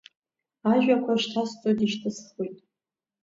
Ажәақәа шьҭасҵоит-ишьҭысхуеит…